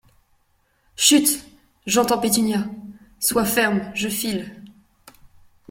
Chut !… j’entends Pétunia !… sois ferme ! je file !